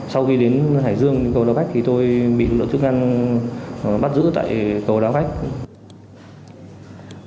sau khi đến hải dương cầu đao bách thì tôi bị lộ chức năng bắt giữ tại cầu đao bách